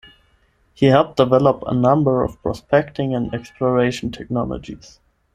He helped develop a number of prospecting and exploration technologies.